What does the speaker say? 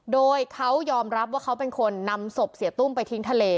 โดยเขายอมรับว่าเขาเป็นคนนำศพเสียตุ้มไปทิ้งทะเล